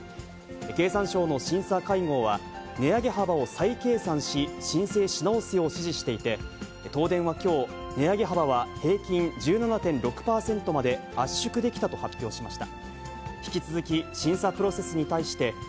経産省の審査会合は、値上げ幅を再計算し、申請し直すよう指示していて、東電はきょう、値上げ幅は平均１７．６％まで圧縮できたと発表しました。